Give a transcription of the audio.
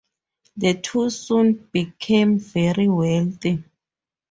The two soon became very wealthy.